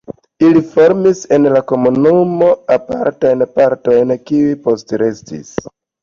Ili formis en la komunumo apartajn partojn, kiuj postrestis.